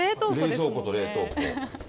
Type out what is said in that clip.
冷蔵庫と冷凍庫。